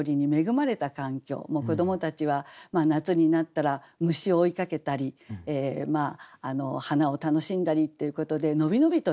子どもたちは夏になったら虫を追いかけたり花を楽しんだりっていうことで伸び伸びとしている。